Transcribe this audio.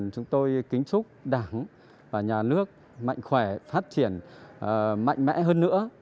chúng tôi kính chúc đảng và nhà nước mạnh khỏe phát triển mạnh mẽ hơn nữa